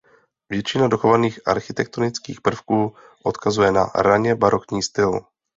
Většina dochovaných architektonických prvků odkazuje na raně barokní styl.